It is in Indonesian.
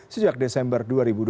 sejak desember dua ribu dua puluh